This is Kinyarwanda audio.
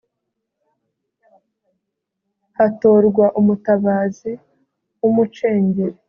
hatorwaga umutabazi w umucengeri